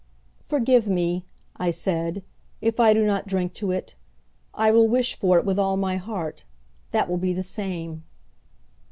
"Forgive me," I said, "if I do not drink to it. I will wish for it with all my heart. That will be the same."